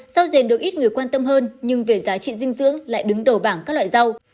rau dền được ít người quan tâm hơn nhưng về giá trị dinh dưỡng lại đứng đầu bảng các loại rau